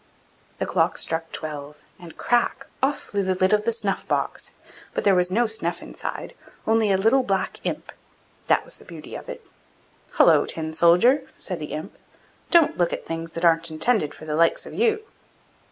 The clock struck twelve, and crack! off flew the lid of the snuff box; but there was no snuff inside, only a little black imp that was the beauty of it. 'Hullo, Tin soldier!' said the imp. 'Don't look at things that aren't intended for the likes of you!